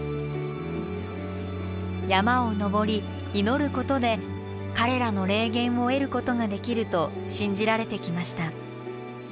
山を登り祈ることで彼らの霊験を得ることができると信じられてきました。